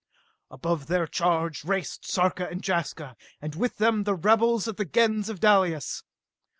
Above their charge raced Sarka and Jaska, and with them the rebels of the Gens of Dalis.